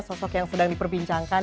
sosok yang sedang diperbincangkan